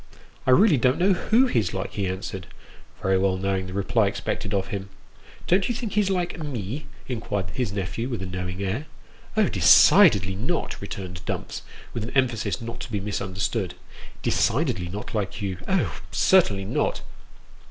" I really don't know who he's like," he answered, very well knowing the reply expected of him. " Don't you think he's like me ?" inquired his nephew with a knowing air. " Oh, decidedly not !" returned Dumps, with an emphasis not to be misunderstood. " Decidedly not like you. Oh, certainly not."